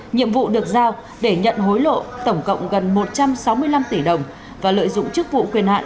nhiệm vụ được giao để nhận hối lộ tổng cộng gần một trăm sáu mươi năm tỷ đồng và lợi dụng chức vụ quyền hạn